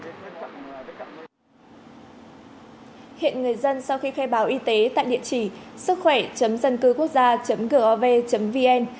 hiện người dân sau khi khai báo y tế tại địa chỉ sứckhoẻ dâncưquốc gia gov vn